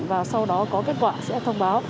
và sau đó có kết quả sẽ thông báo